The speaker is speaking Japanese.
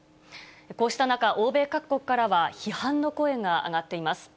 こうした中、欧米各国からは批判の声が上がっています。